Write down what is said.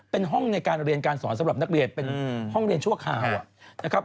เป็นห้องในการเรียนการสอนสำหรับนักเรียนเป็นห้องเรียนชั่วคราวนะครับ